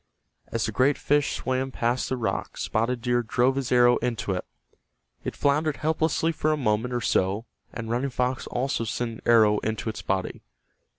As the great fish swam past the rock Spotted Deer drove his arrow into it. It floundered helplessly for a moment or so, and Running Fox also sent an arrow into its body.